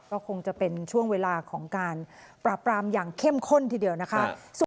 ก็คงจะเป็นช่วงเวลาของการปราบปรามอย่างเข้มข้นทีเดียวนะคะ